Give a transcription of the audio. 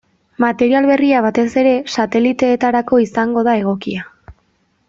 Material berria batez ere sateliteetarako izango da egokia.